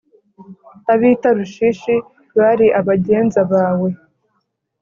Ab i Tarushishi bari abagenza bawe